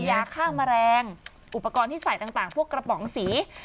ยาฆ่าแมลงอุปกรณ์ที่ใส่ต่างพวกกระป๋องสี